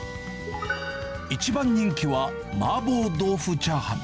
一番人気は麻婆豆腐チャーハン。